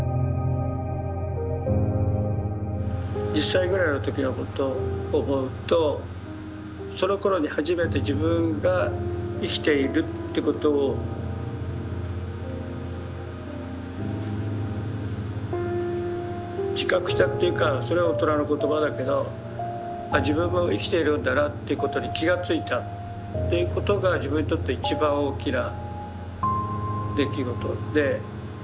１０歳ぐらいの時のことを思うとそのころに初めて自分が生きているってことを自覚したというかそれは大人の言葉だけど自分も生きているんだなということに気が付いたということが自分にとって一番大きな出来事で。